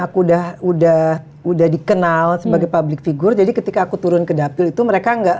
aku udah udah udah dikenal sebagai public figure jadi ketika aku turun ke dapil itu mereka enggak